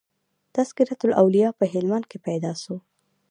"تذکرةالاولیاء" په هلمند کښي پيدا سو.